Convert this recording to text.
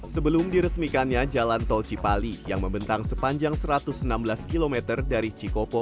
sebelum diresmikannya jalan tol cipali yang membentang sepanjang satu ratus enam belas km dari cikopo